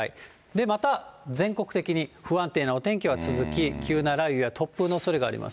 で、また、全国的に不安定なお天気が続き、急な雷雨や突風のおそれがあります。